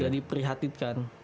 udah di perhatikan